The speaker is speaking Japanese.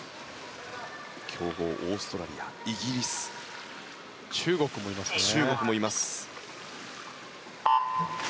強豪オーストラリア、イギリス中国もいますね。